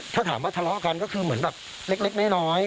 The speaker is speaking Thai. ถ้าถามว่าทะเลาะกันก็คือเหมือนแบบเล็กน้อย